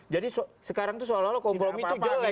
jadi sekarang itu seolah olah kompromi itu jelek